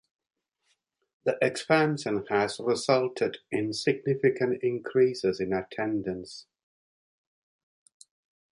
The expansion has resulted in significant increases in attendance.